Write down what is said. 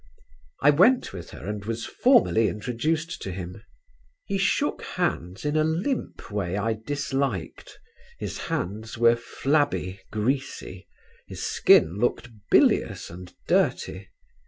I went with her and was formally introduced to him. He shook hands in a limp way I disliked; his hands were flabby, greasy; his skin looked bilious and dirty.